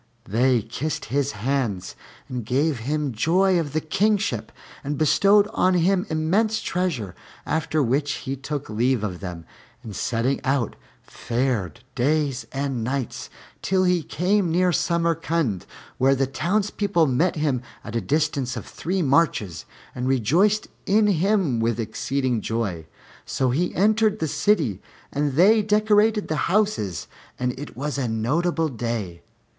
They kissed his hands and gave him joy of the kingship and bestowed on him immense treasures; after which he took leave of them, and setting out, fared days and nights, till he came near Samarcand, where the townspeople met him at a distance of three marches and rejoiced in him with exceeding joy. So he entered the city, and they decorated the houses and it was a notable day.